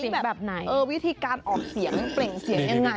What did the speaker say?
ใช้แบบวิธีการออกเสียงเปล่งเสียงยังไง